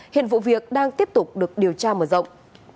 hiện vụ việc đang tiếp tục được điều tra mở rộng